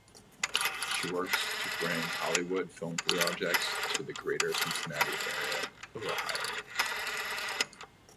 She works to bring Hollywood film projects to the Greater Cincinnati area of Ohio.